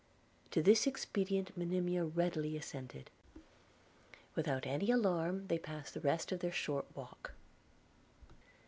To this expedient Monimia readily assented. Without any alarm they passed the rest of their short walk.